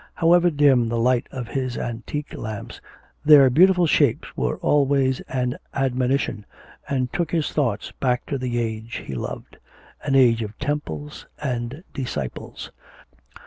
However dim the light of his antique lamps, their beautiful shapes were always an admonition, and took his thoughts back to the age he loved an age of temples and disciples.